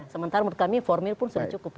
sementara menurut kami formil pun sudah cukup